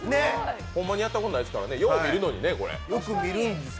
ほんまにやったことないですからね、よう見るのにね、動画とかでは。